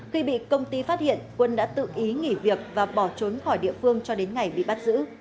khi bị công ty phát hiện quân đã tự ý nghỉ việc và bỏ trốn khỏi địa phương cho đến ngày bị bắt giữ